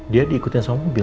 dia diikutin sama mobil